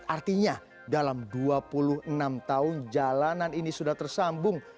artinya dalam dua puluh enam tahun jalanan ini sudah tersambung